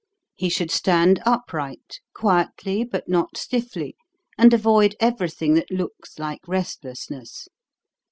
He should stand upright, quietly but not stiffly, and avoid everything that looks like restlessness.